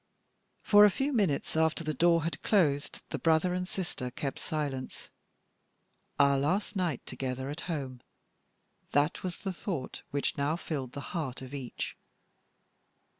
For a few minutes after the door had closed the brother and sister kept silence. "Our last night together at home!" That was the thought which now filled the heart of each.